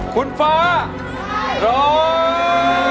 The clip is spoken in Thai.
คุณฟ้าร้อง